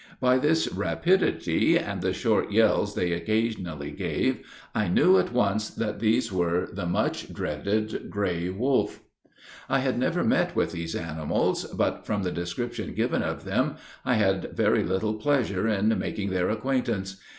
By this rapidity, and the short yells they occasionally gave, I knew at once that these were the much dreaded gray wolf. "I had never met with these animals, but, from the description given of them, I had very little pleasure in making their acquaintance.